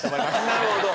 なるほど。